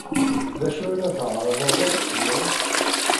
D acu ay la tɛerrḍeḍ ad t-tgeḍ?